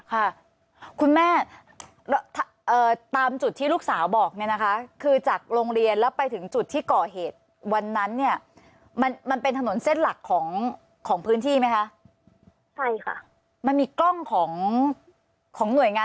ค่ะคุณแม่ตามจุดที่ลูกสาวบอกเนี่ยนะคะคือจากโรงเรียนแล้วไปถึงจุดที่เกาะเหตุวันนั้นเนี่ยมันเป็นถนนเส้นหลักของพื้นที่ไหมคะ